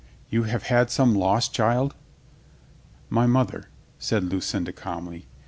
"You have had some loss, child?" "My mother," said Lucinda calmly.